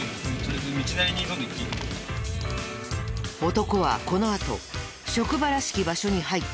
男はこのあと職場らしき場所に入った。